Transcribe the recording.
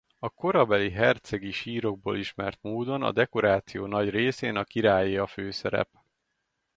A korabeli hercegi sírokból ismert módon a dekoráció nagy részén a királyé a főszerep.